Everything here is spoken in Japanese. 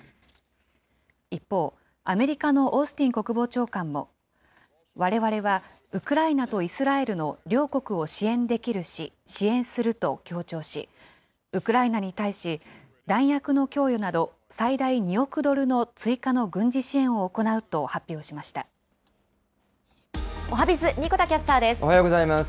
一方、アメリカのオースティン国防長官も、われわれはウクライナとイスラエルの両国を支援できるし、支援すると強調し、ウクライナに対し、弾薬の供与など最大２億ドルの追加の軍事支援を行うと発表しましおはＢｉｚ、おはようございます。